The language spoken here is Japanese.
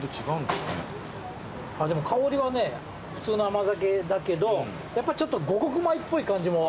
でも香りはね普通の甘酒だけどやっぱりちょっと五穀米っぽい感じも。